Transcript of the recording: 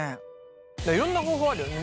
いろんな方法あるよね